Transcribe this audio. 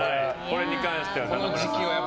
これに関しては。